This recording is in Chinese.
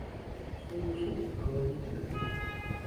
初速可以指